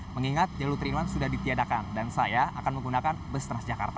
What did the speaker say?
mengingat jalur tiga in satu sudah ditiadakan dan saya akan menggunakan bus transjakarta